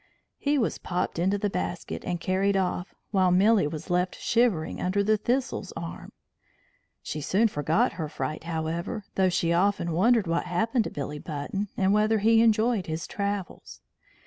He was popped into the basket and carried off, while Milly was left shivering under the thistle's arm. She soon forgot her fright, however, though she often wondered what happened to Billy Button, and whether he enjoyed his travels.